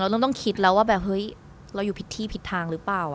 เราต้องคิดแล้วว่าเราอยู่ผิดที่ผิดทางหรือเปล่า